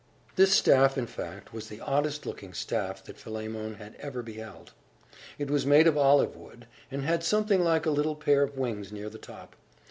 This staff, in fact, was the oddest looking staff that Philemon had ever beheld. It was made of olive wood, and had something like a little pair of wings near the top.